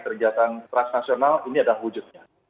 kegiatan transnasional ini adalah wujudnya